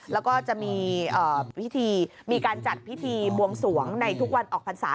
แล้วก็จะมีพิธีมีการจัดพิธีบวงสวงในทุกวันออกพรรษา